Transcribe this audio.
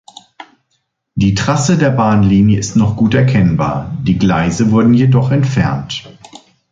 Die Trasse der Bahnlinie ist noch gut erkennbar, die Gleise wurden jedoch entfernt.